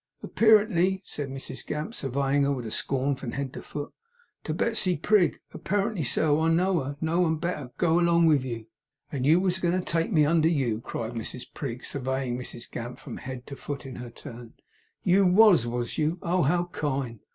'Aperiently,' said Mrs Gamp, surveying her with scorn from head to foot, 'to Betsey Prig. Aperiently so. I know her. No one better. Go along with you!' 'And YOU was a goin' to take me under you!' cried Mrs Prig, surveying Mrs Gamp from head to foot in her turn. 'YOU was, was you? Oh, how kind!